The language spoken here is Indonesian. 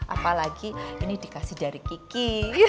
apalagi ini dikasih jari kiki